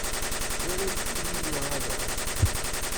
Twalamt-iyi neɣ ala?